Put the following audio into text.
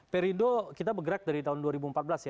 perindo kita bergerak dari tahun dua ribu empat belas ya